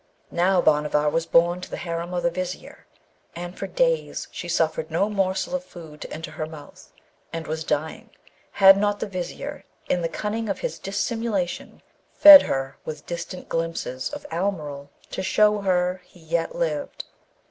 Now, Bhanavar was borne to the harem of the Vizier, and for days she suffered no morsel of food to enter her mouth, and was dying, had not the Vizier in the cunning of his dissimulation fed her with distant glimpses of Almeryl, to show her he yet lived.